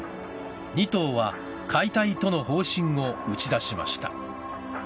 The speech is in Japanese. ２棟は解体との方針を打ち出しました。